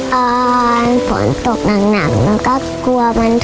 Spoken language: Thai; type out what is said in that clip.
ตอนฝนตกหนักมันก็กลัวมันจะ